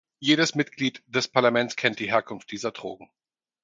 Jedes Mitglied des Parlaments kennt die Herkunft dieser Drogen.